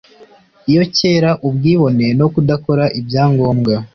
iyo kera, ubwibone no kudakora ibyo agomba